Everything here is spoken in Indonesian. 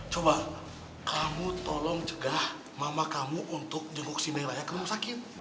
coba kamu tolong cegah mama kamu untuk jenguk si neng raya karena sakit